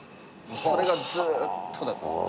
それがずーっと。